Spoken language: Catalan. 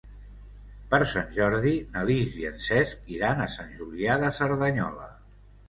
Per Sant Jordi na Lis i en Cesc iran a Sant Julià de Cerdanyola.